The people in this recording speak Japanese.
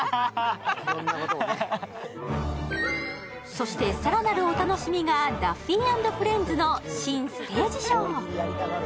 そして更なるお楽しみがダッフィー＆フレンズの新ステージショー。